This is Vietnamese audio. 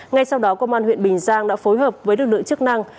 ngay sau đó công an huyện bình giang đã phối hợp với lực lượng chức năng